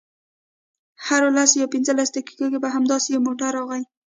هرو لسو یا پنځلسو دقیقو کې به همداسې یو موټر راغی.